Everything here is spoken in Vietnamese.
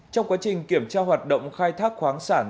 trong quá trình kiểm tra hoạt động khai thác khoáng sản